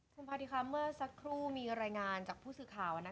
คุณพาธิค่ะเมื่อสักครู่มีรายงานจากผู้สื่อข่าว